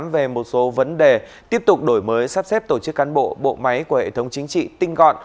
về một số vấn đề tiếp tục đổi mới sắp xếp tổ chức cán bộ bộ máy của hệ thống chính trị tinh gọn